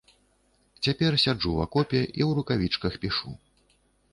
Цяпер сяджу ў акопе і ў рукавічках пішу.